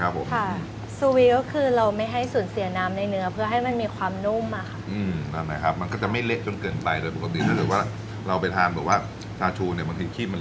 ค่ะค่ะซุวีก็คือเราไม่ให้สูญเสียน้ำในเนื้อเพื่อให้มันมีความนุ่มมาครับ